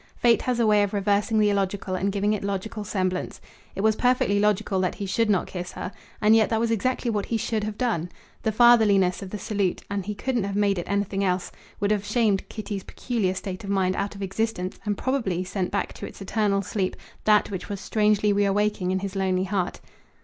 Fate has a way of reversing the illogical and giving it logical semblance. It was perfectly logical that he should not kiss her; and yet that was exactly what he should have done. The fatherliness of the salute and he couldn't have made it anything else would have shamed Kitty's peculiar state of mind out of existence and probably sent back to its eternal sleep that which was strangely reawaking in his lonely heart.